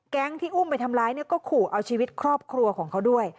ที่อุ้มไปทำร้ายเนี่ยก็ขู่เอาชีวิตครอบครัวของเขาด้วย